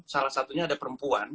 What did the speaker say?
salah satunya ada perempuan